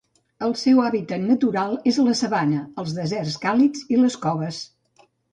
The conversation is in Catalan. El seu hàbitat natural és la sabana, els deserts càlids i les coves.